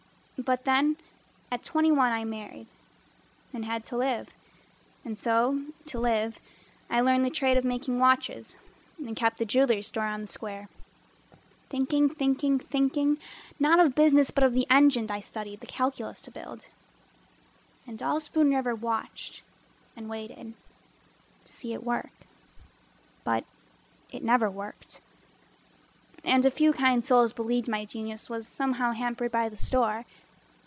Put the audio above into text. But then at twenty one I married And had to live, and so, to live I learned the trade of making watches And kept the jewelry store on the square, Thinking, thinking, thinking, thinking,— Not of business, but of the engine I studied the calculus to build. And all Spoon River watched and waited To see it work, but it never worked. And a few kind souls believed my genius Was somehow hampered by the store.